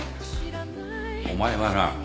お前はな